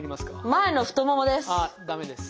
前の太ももです。